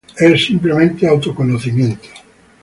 Es simplemente autoconocimiento.